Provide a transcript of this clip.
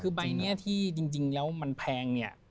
คือใบนี้ที่จริงแล้วมันแพงเนี่ย